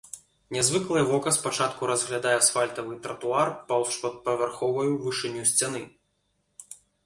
Нязвыклае вока спачатку разглядае асфальтавы тратуар паўз шматпавярховую вышыню сцяны.